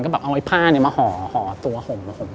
ก็เอาไอ้ผ้าเนี่ยมาห่อห่อตัวผม